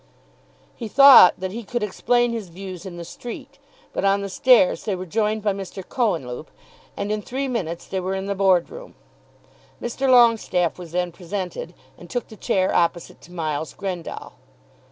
He thought that he could explain his views in the street; but on the stairs they were joined by Mr. Cohenlupe, and in three minutes they were in the Board room. Mr. Longestaffe was then presented, and took the chair opposite to Miles Grendall.